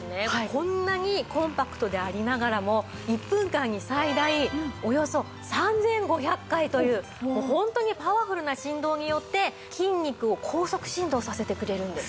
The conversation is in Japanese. こんなにコンパクトでありながらも１分間に最大およそ３５００回というホントにパワフルな振動によって筋肉を高速振動させてくれるんです。